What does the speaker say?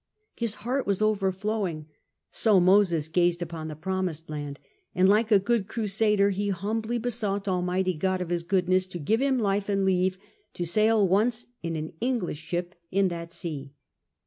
His heart was overflowing — sp Moses gazed upon the promised land — and like a good crusader he humbly besought Almighty God of His goodness to give him life and leave to sail once in an English ship in that sea.